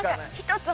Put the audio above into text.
１つ